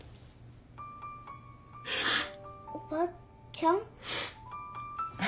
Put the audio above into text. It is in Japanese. おばちゃん？